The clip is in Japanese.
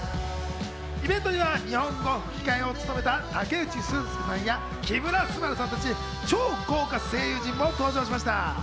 イベントには日本語吹き替えを務めた武内駿輔さんや木村昴さんたち、超豪華声優陣も登場しました。